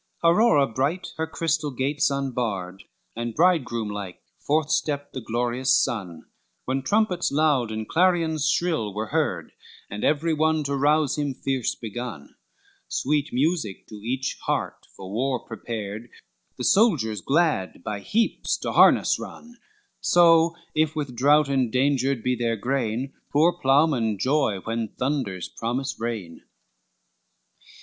LXXI Aurora bright her crystal gates unbarred, And bridegroom like forth stept the glorious sun, When trumpets loud and clarions shrill were heard, And every one to rouse him fierce begun, Sweet music to each heart for war prepared, The soldiers glad by heaps to harness run; So if with drought endangered be their grain, Poor ploughmen joy when thunders promise rain.